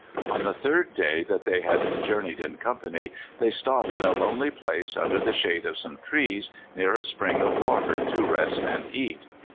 On the third day that they had jour neyed in company they stopped in a lonely place under the shade of some trees, near a spring of water, to rest and eat.